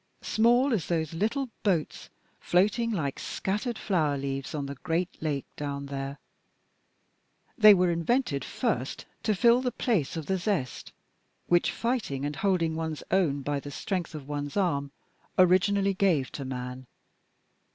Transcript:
Small as those little boats floating like scattered flower leaves on the great lake down there. They were invented first to fill the place of the zest which fighting and holding one's own by the strength of one's arm originally gave to man.